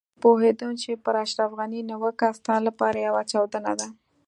زه پوهېدم چې پر اشرف غني نيوکه ستا لپاره يوه چاودنه ده.